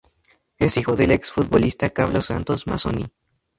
Es hijo del ex futbolista Carlos Santos Mazzoni.